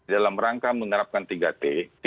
dalam rangka menerapkan tiga t